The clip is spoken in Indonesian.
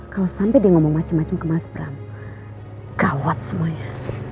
kalau sampai dia ngomong macam macam ke mas bram gawat semuanya